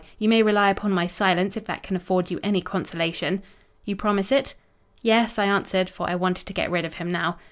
'You may rely upon my silence, if that can afford you any consolation.' "'You promise it?' "'Yes,' I answered; for I wanted to get rid of him now.